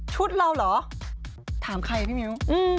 เราเหรอถามใครพี่มิ้ว